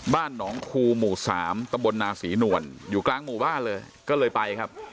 บ้านหนองคูหมู่สามตะบลนาศรีนวลอยู่กลางหมู่บ้านเลยก็เลยไปครับ